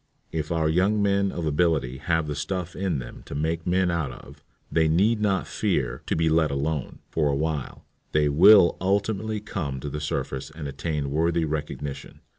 If our young men of ability have the stuff in them to make men out of, they need not fear "to be let alone" for a while; they will ultimately come to the surface and attain worthy recognition.'